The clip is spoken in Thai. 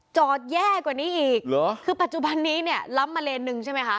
จอดแย่กว่านี้อีกเหรอคือปัจจุบันนี้เนี่ยล้ำมาเลนหนึ่งใช่ไหมคะ